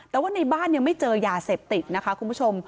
แต่ว่าในบ้านยังไม่เจอยาเสพติดนะคะคุณผู้ชม